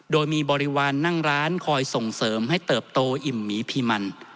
โดยมีบริวารนั่งร้านคอยส่งเสริมให้เติบโตอิ่มหมีพีมัน